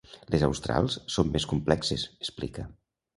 Les australs són més complexes, explica.